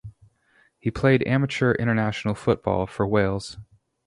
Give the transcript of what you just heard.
He played amateur international football for Wales.